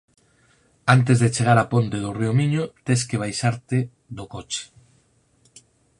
Antes de chegar á ponte do río Miño tes que baixarte da coche.